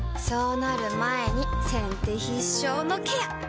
そうなる前に先手必勝のケア！